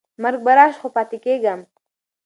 مرګ به راشي خو پاتې کېږم.